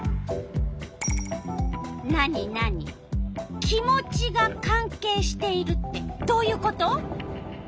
なになに「気持ちが関係している」ってどういうこと？